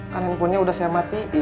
kan handphonenya udah saya matiin